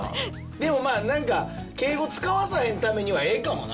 でもまあなんか敬語使わさへんためにはええかもな。